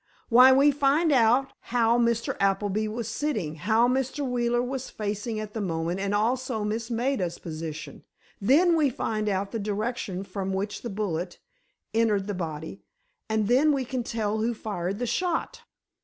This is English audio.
"Why, we find out how Mr. Appleby was sitting, how Mr. Wheeler was facing at the moment, and also Miss Maida's position. Then, we find out the direction from which the bullet entered the body, and then we can tell who fired the shot."